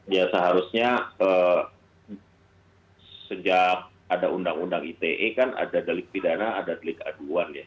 ya seharusnya sejak ada undang undang ite kan ada delik pidana ada delik aduan ya